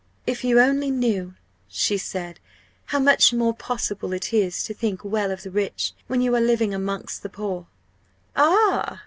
"If you only knew," she said, "how much more possible it is to think well of the rich, when you are living amongst the poor!" "Ah!